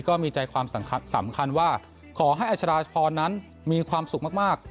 ก็มีใจความสำคัญว่าขอให้อัชราชพรนั้นมีความสุขมาก